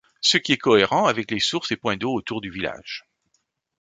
Ce qui est cohérent avec les sources et points d'eau autour du village.